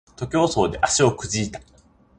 徒競走で足をくじいた